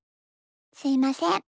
すいません。